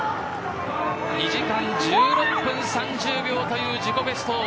２時間１６分３０秒という自己ベスト。